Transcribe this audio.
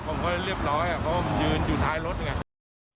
ผมก็เรียบร้อยอ่ะเพราะผมยืนอยู่ท้ายรถเนี้ย